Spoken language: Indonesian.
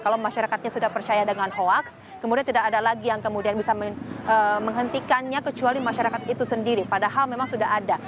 kalau masyarakatnya sudah percaya dengan hoaks kemudian tidak ada lagi yang kemudian bisa menghentikannya kecuali masyarakat itu sendiri padahal memang sudah ada